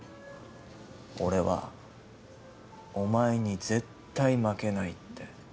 俺はお前に絶対負けないって。